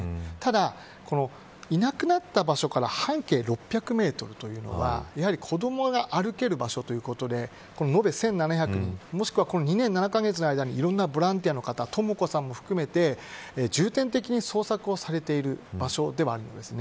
ただ、いなくなった場所から半径６００メートルというのはやはり子どもが歩ける場所ということで、延べ１７００人もしくは２年７カ月の間にいろんなボランティアの方とも子さんも含めて重点的に捜索をされている場所ではあります。